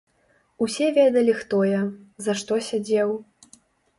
Усе ведалі хто я, за што сядзеў.